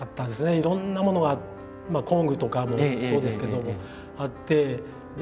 いろんなものが工具とかもそうですけどもあって。